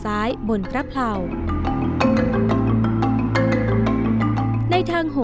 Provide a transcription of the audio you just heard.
พระบาทขวาไขว้ซ้อนบนพระบาทซ้ายง้ายฝาพระบาททั้งสองขึ้น